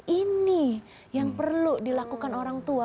ini yang perlu dilakukan orang tua